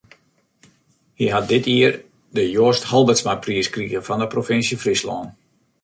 Hy hat dit jier de Joast Halbertsmapriis krige fan de Provinsje Fryslân.